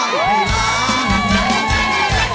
ร้องได้ครับ